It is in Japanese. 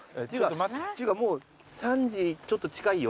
っていうかもう３時ちょっと近いよ？